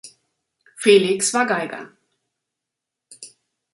Felix war Geiger.